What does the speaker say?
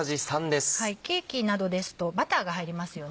ケーキなどですとバターが入りますよね。